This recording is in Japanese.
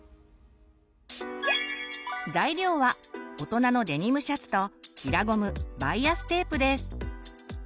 材料は大人のデニムシャツと平ゴムバイアステープです。